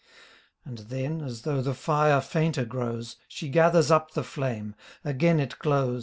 And then, as though the fire fainter grows. She gathers up the flame — again it glows.